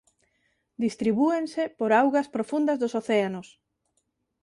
Distribúense por augas profundas dos océanos.